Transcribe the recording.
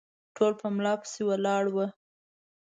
ټول په ملا پسې ولاړ وه